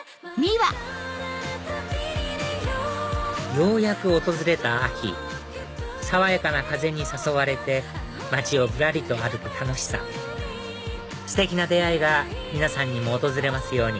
ようやく訪れた秋爽やかな風に誘われて街をぶらりと歩く楽しさステキな出会いが皆さんにも訪れますように